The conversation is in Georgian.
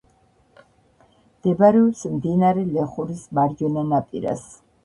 მდებარეობს მდინარე ლეხურის მარჯვენა ნაპირას.